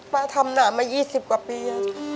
ทำหนามา๒๐กว่าปี